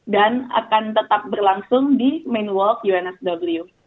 dan akan tetap berlangsung di main walk unsw